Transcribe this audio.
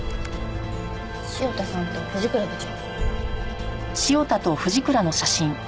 潮田さんと藤倉部長。